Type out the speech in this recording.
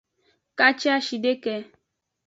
Kaciashideke.